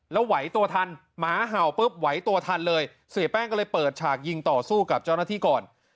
แล้วไหวตัวทันหมาเห่าปุ๊บไหวตัวทันเลยเสียแป้งก็เลยเปิดฉากยิงต่อสู้กับเจ้าหน้าที่ก่อน